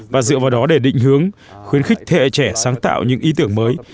và dựa vào đó để định hướng khuyến khích thế hệ trẻ sáng tạo những ý tưởng mới